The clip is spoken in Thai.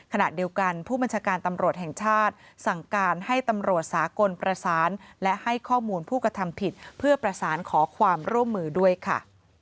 ขณะเดียวกันผู้บัญชาการตำรวจแห่งชาติสั่งการให้ตำรวจสากลประสานและให้ข้อมูลผู้กระทำผิดเพื่อประสานขอความร่วมมือด้วยค่ะ